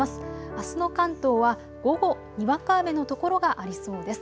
あすの関東は午後、にわか雨の所がありそうです。